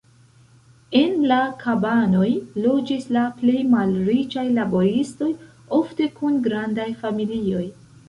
En la kabanoj loĝis la plej malriĉaj laboristoj, ofte kun grandaj familioj.